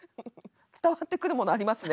伝わってくるものありますね